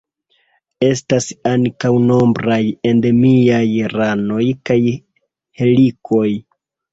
Estas ankaŭ nombraj endemiaj ranoj kaj helikoj.